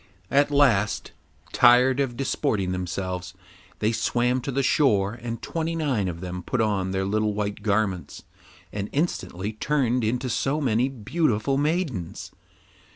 At last, tired of disporting themselves, they swam to the shore, and twenty nine of them put on their little white garments and instantly turned into so many beautiful maidens.